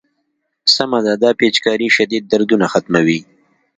سمه ده دا پيچکارۍ شديد دردونه ختموي.